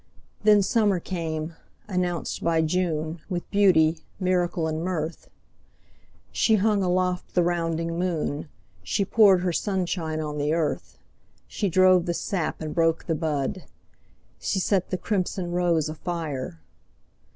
Then summer came, announced by June, With beauty, miracle and mirth. She hung aloft the rounding moon, She poured her sunshine on the earth, She drove the sap and broke the bud, She set the crimson rose afire.